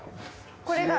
これが。